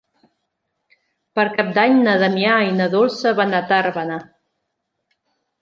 Per Cap d'Any na Damià i na Dolça van a Tàrbena.